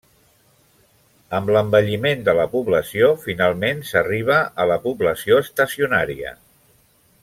Amb l'envelliment de la població, finalment s'arriba a la població estacionària.